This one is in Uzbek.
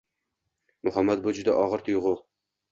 Muhabbat bu juda og‘ir tuyg‘u.